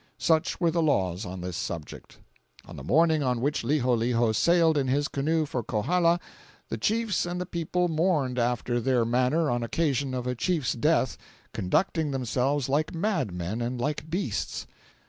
Such were the laws on this subject. "On the morning on which Liholiho sailed in his canoe for Kohala, the chiefs and people mourned after their manner on occasion of a chief's death, conducting themselves like madmen and like beasts.